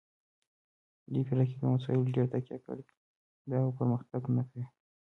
دوی پر عقیدوي مسایلو ډېره تکیه کړې ده او پرمختګ نه کوي.